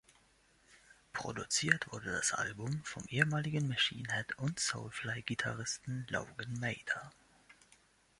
Produziert wurde das Album vom ehemaligen Machine-Head- und Soulfly-Gitarristen Logan Mader.